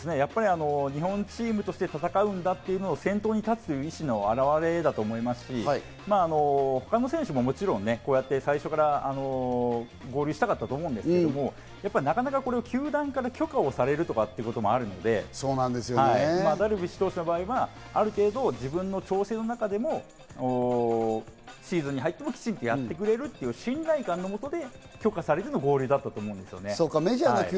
日本チームとして戦うんだっていうのを先頭に立つという意思の表れだと思いますし、他の選手ももちろん、こうやって最初から合流したかったと思うんですけど、なかなかこれを球団から許可されるとかいうこともあるので、ダルビッシュ投手の場合は、ある程度、自分の調子の中でもシーズンに入っても、きちっとやってくれるという信頼感のもとで、許可されての合流だったと思いますので。